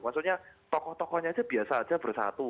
maksudnya tokoh tokohnya aja biasa aja bersatu